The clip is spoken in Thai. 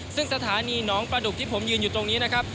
ซึ่งสถานีหนองประดุกที่ผมยืนอยู่ตรงนี้นะครับ